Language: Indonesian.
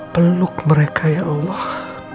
peluk mereka ya allah